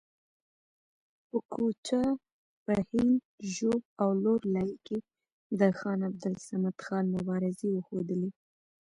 په کوټه، پښین، ژوب او لور لایي کې د خان عبدالصمد خان مبارزې وښودلې.